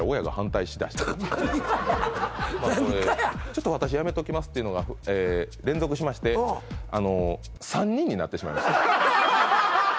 「ちょっと私やめときます」っていうのが連続しましてあの３人になってしまいました